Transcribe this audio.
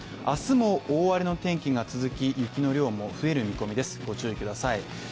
明日も大荒れの天気が続き、雪の量も増える見込みです、ご注意ください。